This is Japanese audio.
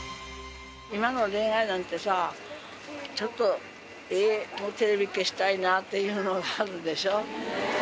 今の恋愛なんてさちょっとテレビ消したいなっていうのがあるでしょ。